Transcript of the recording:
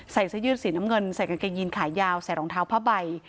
ใส่เสื้อยืดสีน้ำเงินใส่กางเกงยีนขายาวใส่รองเท้าผ้าใบ